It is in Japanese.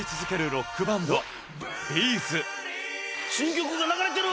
ロックバンド・「Ｂ’ｚ」「ＳＴＡＲＳ」新曲が流れてる！